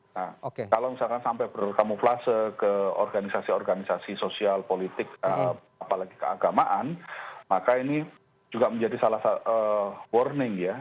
nah kalau misalkan sampai berkamuflase ke organisasi organisasi sosial politik apalagi keagamaan maka ini juga menjadi salah satu warning ya